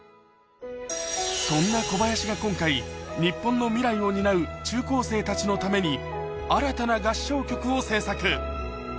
そんな小林が今回、日本の未来を担う中高生たちのために新たな合唱曲を制作。